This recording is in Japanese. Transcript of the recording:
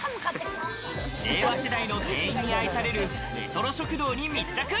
令和世代の店員に愛されるレトロ食堂に密着。